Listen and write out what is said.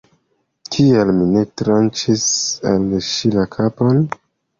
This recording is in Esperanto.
Kial mi ne tranĉis al ŝi la kapon?